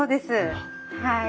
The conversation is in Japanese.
はい。